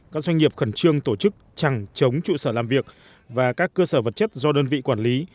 các doanh nghiệp khẩn trương tổ chức chẳng chống trụ sở làm việc và các cơ sở vật chất do đơn vị quản lý